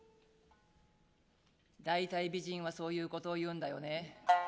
「だいたい美人はそういうことを言うんだよね。